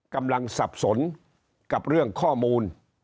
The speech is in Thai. สับสนกับเรื่องข้อมูล